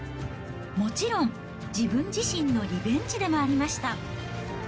もちろん自分自身のリベンジでもありました。